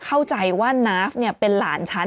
เข้าใจว่านาฟเป็นหลานฉัน